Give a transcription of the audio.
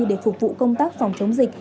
để phục vụ công tác phòng chống dịch